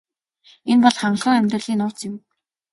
Энэ бол хангалуун амьдралын нууц юм.